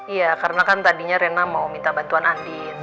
iya karena kan tadinya rina mau minta bantuan andin